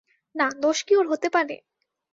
না, দোষ কি ওর হতে পারে ।